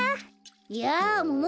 やあもも